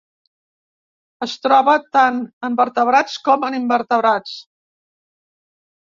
Es troba tant en vertebrats com en invertebrats.